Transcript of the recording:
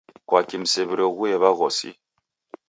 Kwaki msew'iroghue w'aghosi?